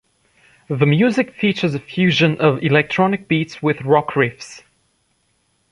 The music features a fusion of electronic beats with rock riffs.